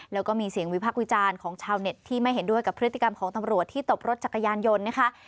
แล้วก็มีเสียงวิพักษ์วิจารณ์ของชาวเน็ตที่ไม่เห็นด้วยกับพฤติกรรมของตำรวจที่ตบรถจักรยานยนต์นะคะ